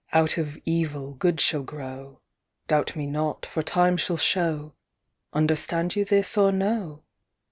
Out of evil good shall grow Doubt me not, for time shall show. Understand you this, or no?